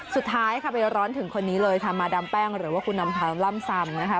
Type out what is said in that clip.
สุดท้ายค่ะไปร้อนถึงคนนี้เลยค่ะมาดามแป้งหรือว่าคุณล่ำซำนะคะ